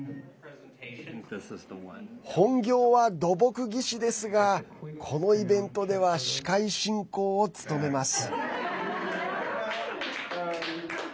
本業は土木技師ですがこのイベントでは司会進行を務めます。